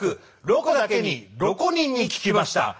「ロコだけに６５人に聞きました